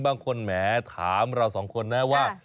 บางคนแหมถามเรา๒คนนะว่า